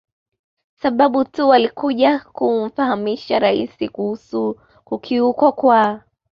sababu tu walikuja kumfahamisha Rais kuhusu kukiukwa kwa